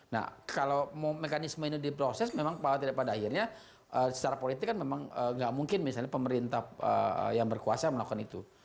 nah kalau mekanisme ini diproses memang tidak pada akhirnya secara politik kan memang nggak mungkin misalnya pemerintah yang berkuasa melakukan itu